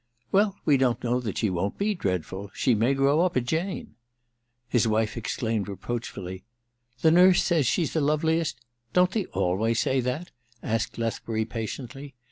*Well, we don't know that she won't be dreadful. She may grow up a Jane.* His wife exclaimed reproachfully, * The nurse says she's the loveliest '* Don't they always say that ?' asked Lethbury patiently.